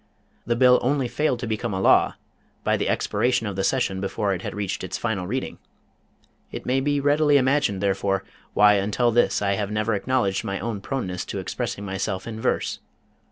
The bill only failed to become a law by the expiration of the session before it had reached its final reading. It may be readily imagined, therefore, why until this I have never acknowledged my own proneness to expressing myself in verse.